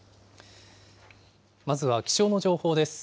まずは気象の情報です。